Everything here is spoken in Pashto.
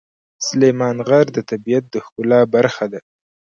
سلیمان غر د طبیعت د ښکلا برخه ده.